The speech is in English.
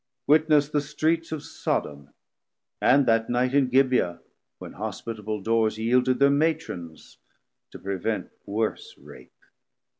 Witness the Streets of Sodom, and that night In Gibeah, when hospitable Dores Yielded thir Matrons to prevent worse rape.